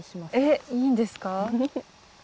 えっいいんですか？